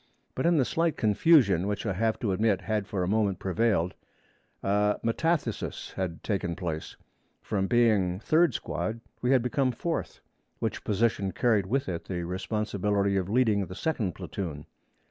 But in the slight confusion which I have to admit had for a moment prevailed, a metathesis had taken place: from being third squad we had become fourth, which position carried with it the responsibility of leading the second platoon.